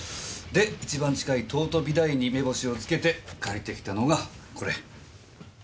で一番近い東都美大に目星をつけて借りてきたのがこれ。